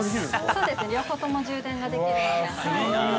◆そうですね、両方とも充電ができるので。